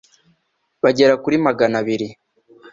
bagera kuri Magana abiri